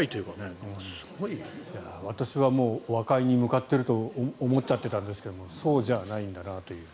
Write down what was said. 私はもう和解に向かっていると思っちゃってたんですがそうじゃないんだなという。